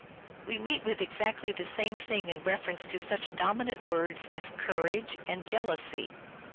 We meet with exactly the same thing in reference to such dominant words as " courage " and " jealousy."